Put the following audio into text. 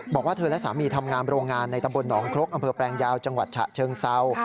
บอกว่าเธอและสามีทำงานโรงงานในตำบลหนองครกอำเภอแปลงยาวจังหวัดฉะเชิงเศร้า